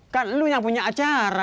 kan lu yang punya acara